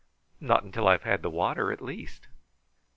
"Not until I've had the water, at least."